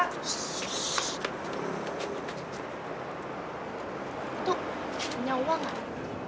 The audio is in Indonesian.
kutuk punya uang gak